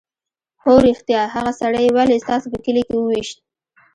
_هو رښتيا! هغه سړی يې ولې ستاسو په کلي کې وويشت؟